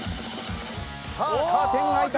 さあカーテンが開いた。